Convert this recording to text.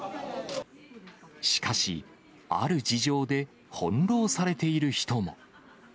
しかし、ある事情で、翻弄されている人も。